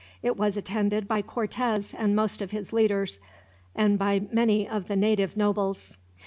It was attended by Cortez and most of his leaders, and by many of the native nobles.